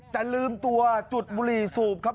แต่ลืมตัวจุดบุหรี่สูบครับ